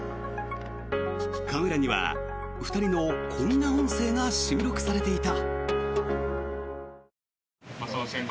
カメラには２人のこんな音声が収録されていた。